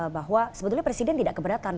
bahwa sebetulnya presiden tidak keberatan